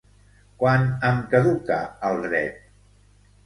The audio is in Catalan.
Quan em caduca el dret?